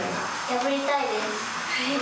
・破りたいです。